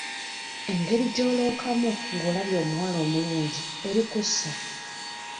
Engeri gy'olookamu ng'olabye omuwala omulungi eri kussa.